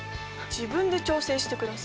自分で調整してください。